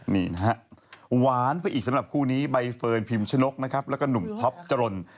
นี่นะฮะหวานไปอีกสำหรับคู่นี้ใบเฟิร์นพิมชนกนะครับแล้วก็หนุ่มท็อปจรน